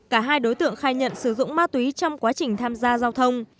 cả hai đối tượng khai nhận sử dụng ma túy trong quá trình tham gia giao thông